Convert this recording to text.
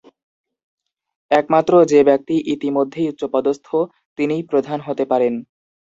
একমাত্র যে-ব্যক্তি ইতিমধ্যেই উচ্চপদস্থ, তিনিই প্রধান হতে পারেন।